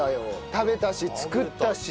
食べたし作ったし。